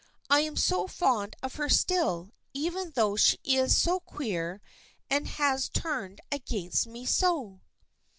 I am so fond of her still, even though she is so queer and has turned against me so